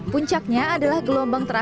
puncaknya adalah pernikahan yang berbeda